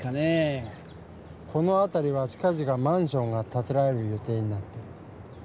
このあたりは近ぢかマンションがたてられる予定になっている。